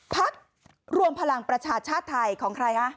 พักรวมพลังประชาชาติไทยของใครฮะ